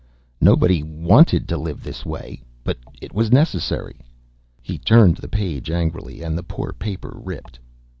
Nobody wanted to live this way, but it was necessary. He turned the page angrily and the poor paper ripped.